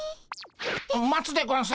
待つでゴンス。